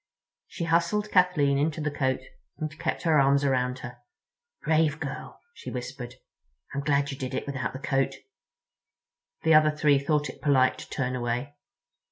She hustled Kathleen into the coat and kept her arms around her. "Brave girl," she whispered. "I'm glad you did it without the coat." The other three thought it polite to turn away.